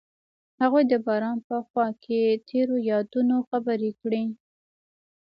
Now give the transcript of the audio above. هغوی د باران په خوا کې تیرو یادونو خبرې کړې.